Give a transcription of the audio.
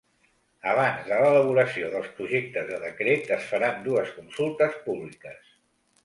Abans de l’elaboració dels projectes de decret, es faran dues consultes públiques.